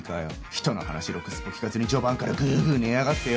人の話ろくすっぽ聞かずに序盤からグーグー寝やがってよ。